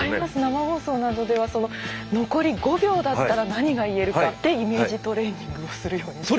生放送などでは残り５秒だったら何が言えるかってイメージトレーニングをするようにしてます。